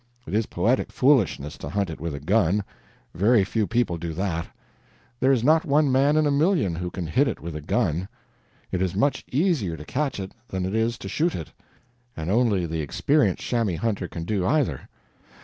It is poetic foolishness to hunt it with a gun; very few people do that; there is not one man in a million who can hit it with a gun. It is much easier to catch it than it is to shoot it, and only the experienced chamois hunter can do either.